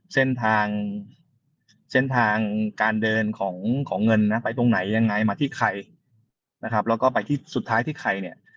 เส้นทางเส้นทางการเดินของของเงินนะไปตรงไหนยังไงมาที่ใครนะครับแล้วก็ไปที่สุดท้ายที่ใครเนี่ย